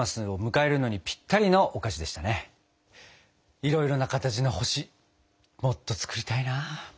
いろいろな形の星もっと作りたいな。